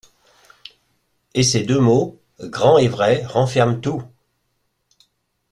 Et ces deux mots, grand et vrai, renferment tout.